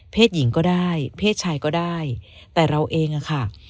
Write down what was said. หญิงก็ได้เพศชายก็ได้แต่เราเองอะค่ะ